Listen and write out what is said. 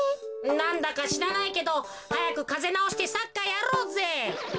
なんだかしらないけどはやくカゼなおしてサッカーやろうぜ。